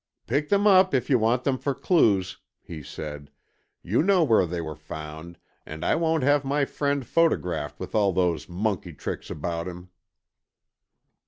"Pick them up if you want them for clues," he said; "you know where they were found, and I won't have my friend photographed with all those monkey tricks about him!"